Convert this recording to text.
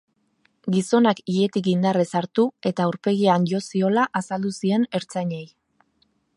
Gizonak iletik indarrez hartu eta aurpegian jo ziola azaldu zien ertzainei.